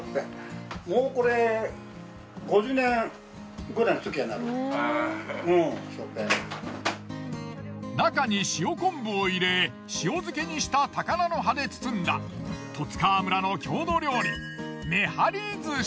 もうこれ中に塩昆布を入れ塩漬けにした高菜の葉で包んだ十津川村の郷土料理めはり寿司。